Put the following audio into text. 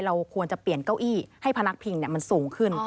เราควรจะเปลี่ยนเก้าอี้ให้พนักพิงมันสูงขึ้น